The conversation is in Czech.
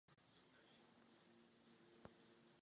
S manželkou Janou vychoval dceru Janu.